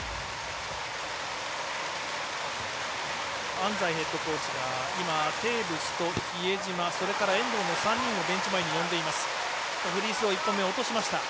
安齋ヘッドコーチがテーブスと比江島、それから、遠藤の３人をベンチ前に呼んでいます。